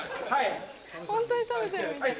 ホントに食べてるみたい。